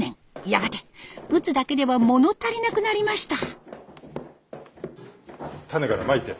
やがて打つだけでは物足りなくなりました。